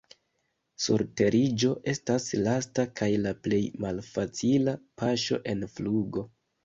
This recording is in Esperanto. Surteriĝo estas lasta kaj la plej malfacila paŝo en flugo.